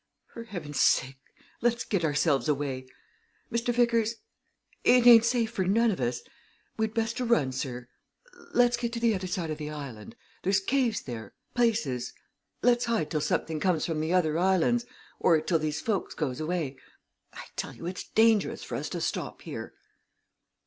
"For heaven's sake, let's get ourselves away! Mr. Vickers it ain't safe for none of us. We'd best to run, sir let's get to the other side of the island. There's caves there places let's hide till something comes from the other islands, or till these folks goes away I tell you it's dangerous for us to stop here!"